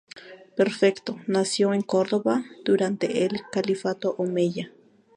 Perfecto nació en Córdoba durante el califato Omeya.